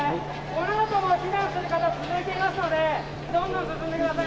このあとも避難する方、続いていますので、どんどん進んでください。